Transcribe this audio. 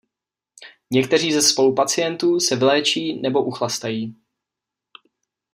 Někteří ze spolupacientů se vyléčí nebo uchlastají.